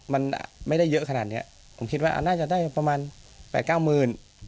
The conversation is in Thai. มันไม่ได้เยอะขนาดเนี้ยผมคิดว่าน่าจะได้ประมาณแปดเก้าหมื่น